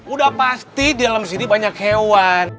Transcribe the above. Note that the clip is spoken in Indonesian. udah pasti di dalam sini banyak hewan